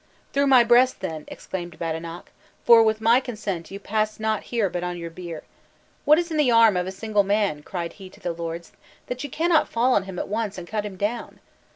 "Through my breast, then," exclaimed Badenoch; "for, with my consent, you pass not here but on your bier. What is in the arm of a single man," cried he to the lords, "that ye cannot fall on him at once, and cut him down?"